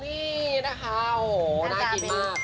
นี่นะคะโอ้โหน่ากินมาก